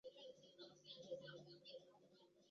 而该手机版也遭到了破解。